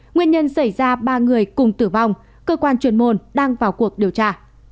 nguyên nhân xảy ra ba người cùng tử vong cơ quan truyền môn đang vào cuộc điều tra